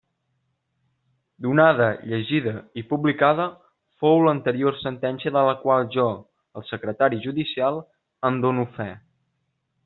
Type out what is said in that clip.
Donada, llegida i publicada fou l'anterior sentència de la qual jo, el secretari judicial, en done fe.